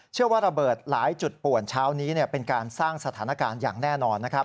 ระเบิดหลายจุดป่วนเช้านี้เป็นการสร้างสถานการณ์อย่างแน่นอนนะครับ